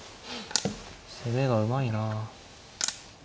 攻めがうまいな。